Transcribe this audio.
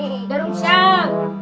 radarnya gak berfungsi